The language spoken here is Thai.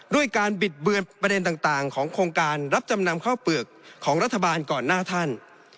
ด้วยการบิดเบือนประเด็นต่างของโครงการรับจำนำข้าวเปลือกของรัฐบาลก่อนหน้าท่าน